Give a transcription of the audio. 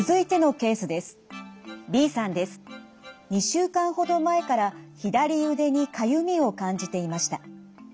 ２週間ほど前から左腕にかゆみを感じていました。